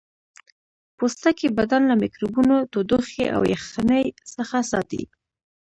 پوستکی بدن له میکروبونو تودوخې او یخنۍ څخه ساتي